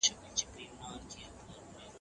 د ځان وژني مخنیوی څنګه کیدلای سي؟